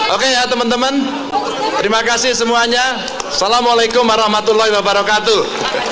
oke ya teman teman terima kasih semuanya assalamualaikum warahmatullahi wabarakatuh